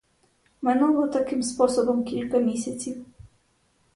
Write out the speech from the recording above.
Минуло таким способом кілька місяців.